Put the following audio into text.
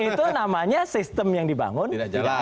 itu namanya sistem yang dibangun tidak jalan